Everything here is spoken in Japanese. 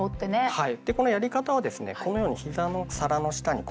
はい。